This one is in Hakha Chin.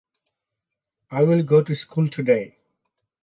A hna pakhat a chet.